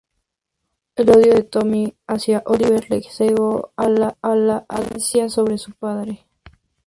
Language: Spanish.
El odio de Tommy hacia Oliver le cegó a la advertencia sobre su padre.